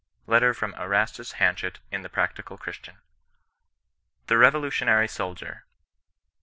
Letter from Erastus Hanchett in the Practical Christian. THE BEVOLUTIONART SOLDIER.